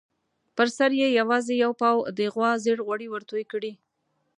پر سر یې یوازې یو پاو د غوا زېړ غوړي ورتوی کړي.